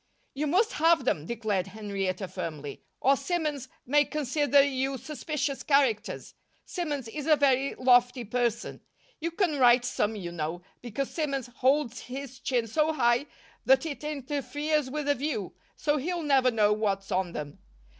"You must have them," declared Henrietta, firmly, "or Simmons may consider you suspicious characters. Simmons is a very lofty person. You can write some, you know, because Simmons holds his chin so high that it interferes with the view, so he'll never know what's on them.